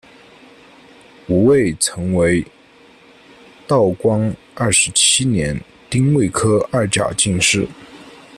吴慰曾为道光二十七年丁未科二甲进士。